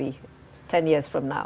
ketika kita berada